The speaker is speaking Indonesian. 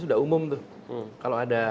udah umum tuh kalau ada